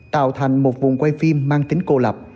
tạo thành một vùng quay phim mang tính cô lập